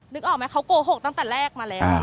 นึกออกไหมเขาโกหกตั้งแต่แรกมาแล้ว